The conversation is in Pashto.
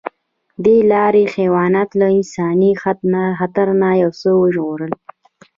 دې لارې حیوانات له انساني خطر نه یو څه وژغورل.